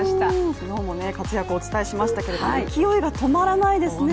昨日も活躍お伝えしましたけれども勢いが止まらないですね。